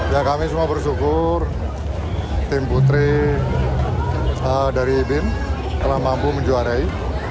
ya kami semua bersyukur tim putri dari bin telah mampu menjuarai